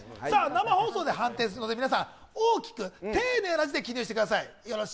生放送で判定するので大きく丁寧な字で記入してください。